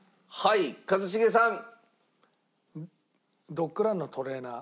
ドッグランのトレーナー。